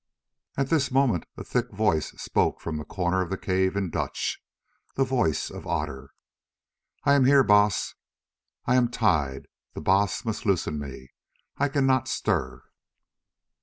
At this moment a thick voice spoke from the corner of the cave in Dutch, the voice of Otter: "I am here, Baas, but I am tied: the Baas must loosen me, I cannot stir."